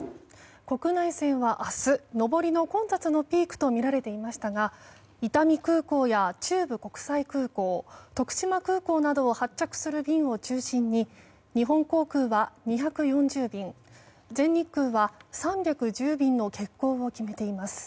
国内線は明日、上りの混雑のピークとみられていましたが伊丹空港や中部国際空港徳島空港などを発着する便を中心に日本航空は２４０便、全日空は３１０便の欠航を決めています。